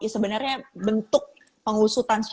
sebenarnya bentuk pengusutan